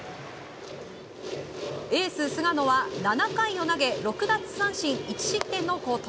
エース、菅野は７回を投げ６奪三振１失点の好投。